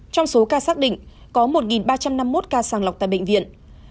trong số ca xác định có một ba trăm năm mươi một ca sàng lọc tại bệnh viện